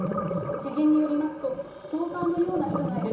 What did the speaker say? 知人によりますと、ストーカーのような人がいる。